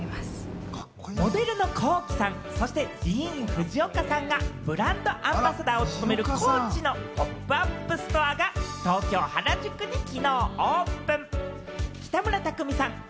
モデルのＫｏｋｉ，さん、そしてディーン・フジオカさんがブランドアンバサダーを務めるＣＯＡＣＨのポップアップストアが東京・原宿にきのうオープン。